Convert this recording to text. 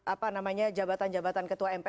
apa namanya jabatan jabatan ketua mpr